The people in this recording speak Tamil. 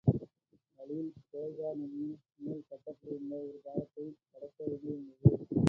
வழியில் டோல்கா நதியின் மேல் கட்டப்பட்டிருந்த ஒரு பாலத்தைக் கடக்க வேண்டியிருந்தது.